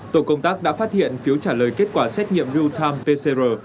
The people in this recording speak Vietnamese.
tổ công tác đã phát hiện phiếu trả lời kết quả xét nghiệm real time pcr